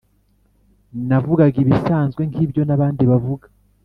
Navugaga ibisanzwe nkibyo nabandi bavuga.